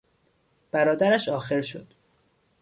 برادرش آخر شد.